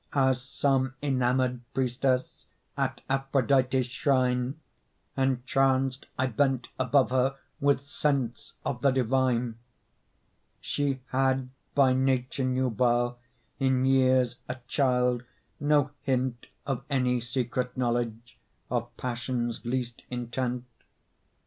As some enamored priestess At Aphrodite's shrine, Entranced I bent above her With sense of the divine. She had, by nature nubile, In years a child, no hint Of any secret knowledge Of passion's least intent.